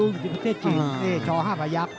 นี่ชอห้าพยักษ์